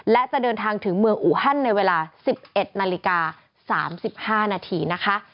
และจะเดินทางถึงเมืองอูฮันในเวลา๑๑นาฬิกา๓๕นาทีนะคะ